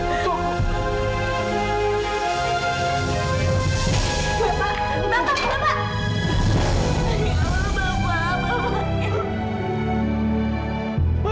bapak bapak bapak